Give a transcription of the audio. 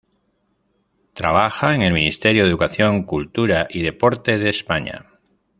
Trabaja en el Ministerio de Educación, Cultura y Deporte de España.